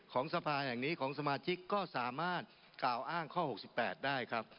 ของสภาแห่งนี้ของสมาชิกก็สามารถกล่าวอ้างข้อ๖๘ได้ครับ